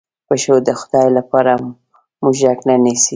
پشو د خدای لپاره موږک نه نیسي.